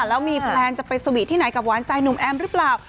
แล้วมีแพลนจะไปสวีทที่ไหนกับหวานใจหนุ่มแอมหรือเปล่า